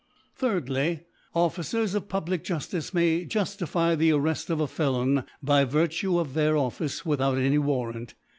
Thirdly^ Officers of public Juftice may juftify the Arreft of a Felon by Virtue of their Office, without any Warrant.